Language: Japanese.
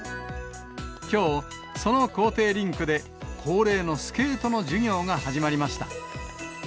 きょう、その校庭リンクで恒例のスケートの授業が始まりました。